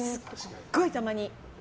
すっごいたまに。